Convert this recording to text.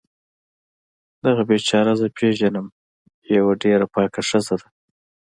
دغه بیچاره زه پیږنم یوه ډیره پاکه ښځه ده